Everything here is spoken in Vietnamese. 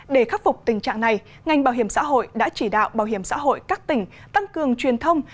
để khắc phục tình trạng này ngành bảo hiểm xã hội đã chỉ đạo bảo hiểm xã hội các tỉnh tăng cường truyền thông